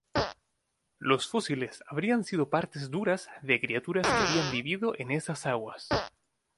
Los fósiles habrían sido partes duras de criaturas que habían vivido en esas aguas.